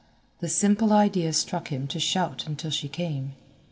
The simple idea struck him to shout until she came.